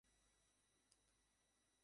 তুমি ঐটা শুনলে, স্যামসন?